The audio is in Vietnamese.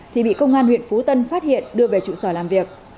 thì bị công an huyện phú tân phát hiện đưa về trụ sở làm việc